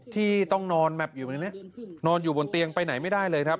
ที่ต้องนอนแมพอยู่ในนี้นอนอยู่บนเตียงไปไหนไม่ได้เลยครับ